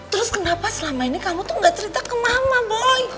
terus kenapa selama ini kamu tuh gak cerita ke mama boy